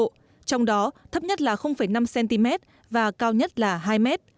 trong đó thấp nhất là năm cm và cao nhất là hai m